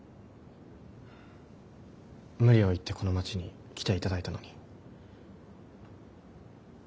無理を言ってこの街に来ていただいたのに。